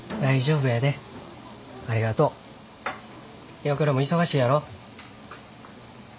岩倉も忙しいやろ。